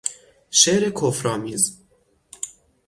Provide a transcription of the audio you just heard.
شعر کفرآمیز